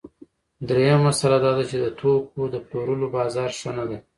درېیمه مسئله دا ده چې د توکو د پلورلو بازار ښه نه دی